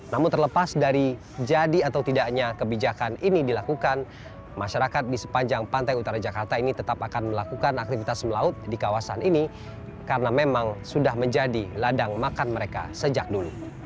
namun terlepas dari jadi atau tidaknya kebijakan ini dilakukan masyarakat di sepanjang pantai utara jakarta ini tetap akan melakukan aktivitas melaut di kawasan ini karena memang sudah menjadi ladang makan mereka sejak dulu